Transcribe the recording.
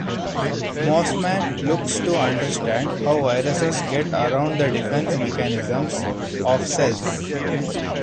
Mossman looks to understand how viruses get around the defence mechanisms of cells.